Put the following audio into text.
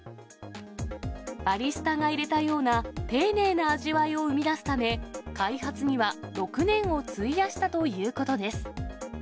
バリスタが入れたような丁寧な味わいを生み出すため、開発には６年を費やしたということです。